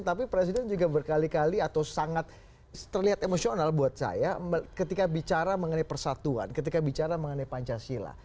tapi presiden juga berkali kali atau sangat terlihat emosional buat saya ketika bicara mengenai persatuan ketika bicara mengenai pancasila